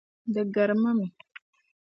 Di garima mi.